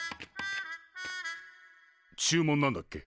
注文なんだっけ？